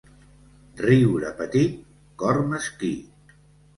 Riure petit, cor mesquí.